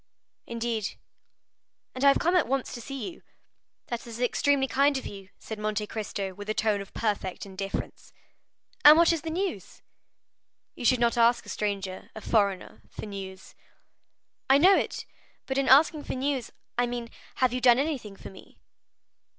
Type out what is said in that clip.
"Indeed?" "And I have come at once to see you." "That is extremely kind of you," said Monte Cristo with a tone of perfect indifference. "And what is the news?" "You should not ask a stranger, a foreigner, for news." "I know it, but in asking for news, I mean, have you done anything for me?"